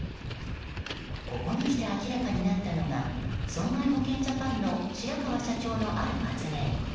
ここに来て、明らかになったのが損害保険ジャパンの白川社長の、ある発言。